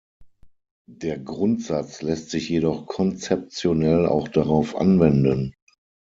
Der Grundsatz lässt sich jedoch konzeptionell auch darauf anwenden.